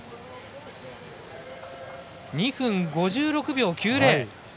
２分５６秒９０！